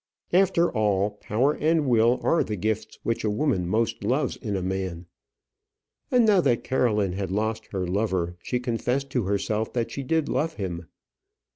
After all, power and will are the gifts which a woman most loves in a man. And now that Caroline had lost her lover, she confessed to herself that she did love him.